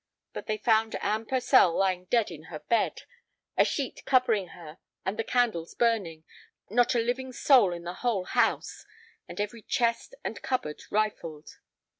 But they found Anne Purcell lying dead in her bed, a sheet covering her, and the candles burning, not a living soul in the whole house, and every chest and cupboard rifled.